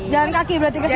jalan kaki berarti kesini